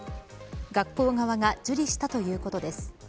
学校側が受理したということです。